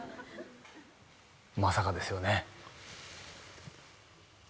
まさかですよね